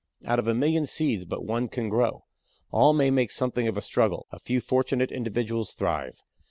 Out of a million seeds but one can grow. All may make something of a struggle; a few fortunate individuals thrive.